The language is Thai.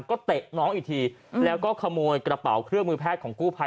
ก็เตะน้องอีกทีแล้วก็ขโมยกระเป๋าเครื่องมือแพทย์ของกู้ภัย